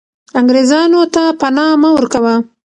انګریزانو ته پنا مه ورکوه.